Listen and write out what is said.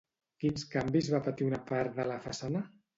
Quins canvis va patir una part de la façana?